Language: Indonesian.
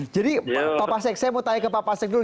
jadi pak pasek saya mau tanya ke pak pasek dulu